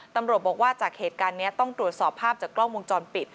ตำรวจบอกว่าจากเหตุการณ์นี้ต้องตรวจสอบภาพจากกล้องวงจรปิด